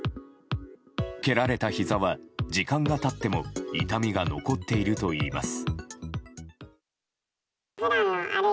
蹴られたひざは時間が経っても痛みが残っているといいます。